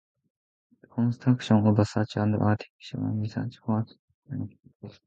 The construction of a such an aircraft for research purposes was suggested by Griffith.